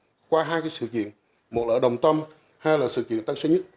nhưng qua hai cái sự diện một là ở đồng tâm hai là sự diện tân sơn nhất